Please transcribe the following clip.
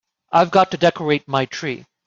I've got to decorate my tree.